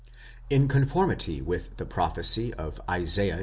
In conformity with the prophecy of Isaiah xi.